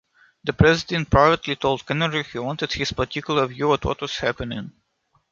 The president privately told Kennerly he wanted his particular view of what was happening.